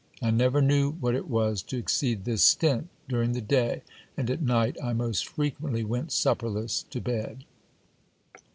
I never knew what it was to exceed this stint during the day, and at night I most frequently went supperless to bed.